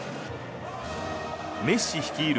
メッシ率いる